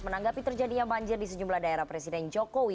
menanggapi terjadinya banjir di sejumlah daerah presiden jokowi